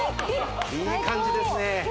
いい感じですね